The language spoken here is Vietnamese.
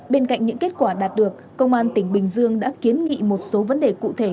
bên cạnh những kết quả đạt được công an tỉnh bình dương đã kiến nghị một số vấn đề cụ thể